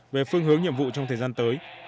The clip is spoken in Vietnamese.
về phương hướng nhiệm vụ trong thời gian tới